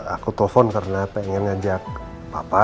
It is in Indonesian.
aku telfon karena pengen ngajak papa sama mama untuk buka puasa